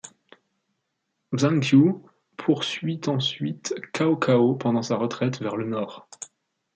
Zhang Xiu poursuit ensuite Cao Cao pendant sa retraite vers le nord.